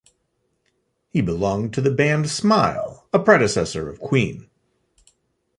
He belonged to the band Smile, a predecessor of Queen.